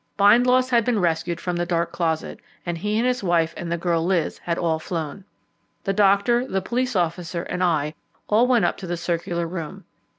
Bindloss had been rescued from the dark closet, and he and his wife and the girl Liz had all flown. The doctor, the police officer, and I, all went up to the circular room.